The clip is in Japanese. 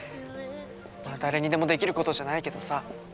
まあ誰にでもできることじゃないけどさ。